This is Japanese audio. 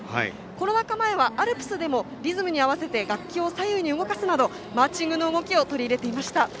コロナ禍前はアルプスでもリズムに合わせて楽器を左右に動かすなどマーチングの動きを取り入れていました。